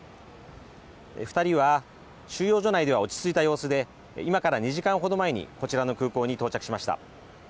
２人は収容所内では落ち着いた様子で今から２時間ほど前にこちらの空港に到着しました。